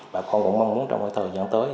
bà con cũng mong muốn trong thời gian tới